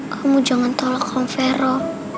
kamu jangan tolak om vero